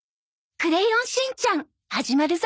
『クレヨンしんちゃん』始まるぞ。